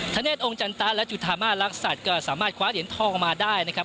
ธเนธองค์จันตะและจุธามาลักษัตริย์ก็สามารถคว้าเหรียญทองมาได้นะครับ